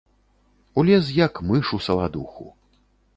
Улез, як мыш у саладуху.